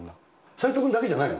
斎藤君だけじゃないの？